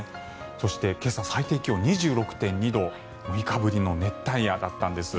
そして、今朝最低気温２６．２度６日ぶりの熱帯夜だったんです。